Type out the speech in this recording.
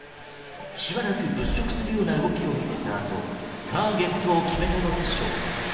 しばらく物色するような動きを見せたあとターゲットを決めたのでしょうか。